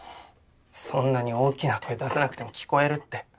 そんなに大きな声出さなくても聞こえるって。